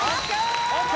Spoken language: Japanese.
ＯＫ！